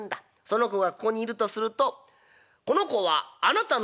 その子がここにいるとすると『この子はあなたのお子さんですか？